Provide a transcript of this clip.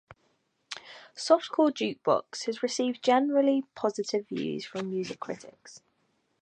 "Softcore Jukebox" has received generally positive reviews from music critics.